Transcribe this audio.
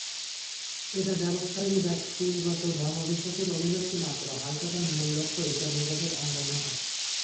এটা ব্যবসায়ীর ব্যক্তিগত ধর্মবিশ্বাসের অভিব্যক্তি মাত্র, হালখাতার মূল লক্ষ্য হিসাব-নিকাশের অঙ্গ নয়।